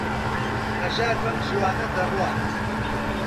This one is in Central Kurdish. هەژار بەم زووانە دەڕوات.